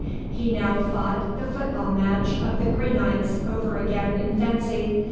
He now fought the football match of the Greenites over again in fancy.